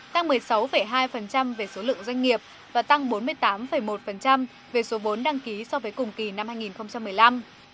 tăng một mươi sáu hai về số lượng doanh nghiệp và tăng bốn mươi tám một về số vốn đăng ký so với cùng kỳ năm hai nghìn một mươi năm